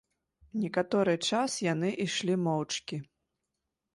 Некаторы час яны ішлі моўчкі.